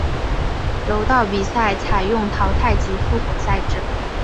柔道比赛采用淘汰及复活赛制。